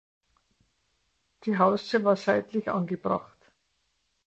Die Haustür war seitlich angebracht.